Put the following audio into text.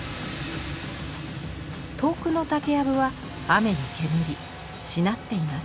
遠くの竹やぶは雨にけむりしなっています。